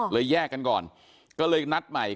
แยกกันก่อนก็เลยนัดใหม่